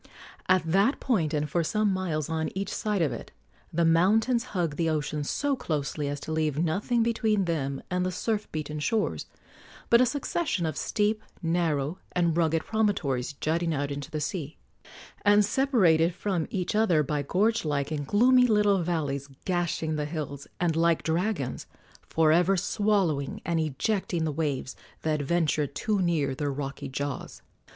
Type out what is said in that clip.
At that point, and for some miles on each side of it, the mountains hug the ocean so closely as to leave nothing between them and the surf beaten shores but a succession of steep, narrow and rugged promontories jutting out into the sea, and separated from each other by gorge like and gloomy little valleys gashing the hills and, like dragons, for ever swallowing and ejecting the waves that venture too near their rocky jaws.